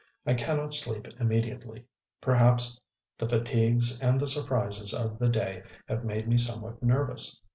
I cannot sleep immediately; perhaps the fatigues and the surprises of the day have made me somewhat nervous.